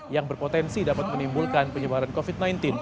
yang berpotensi dapat menimbulkan penyebaran covid sembilan belas